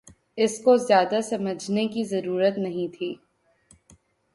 اس کو زیادہ سمجھنے کی ضرورت نہیں تھی